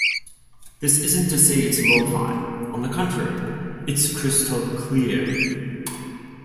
This isn't to say it's lo-fi; on the contrary, it's crystal clear.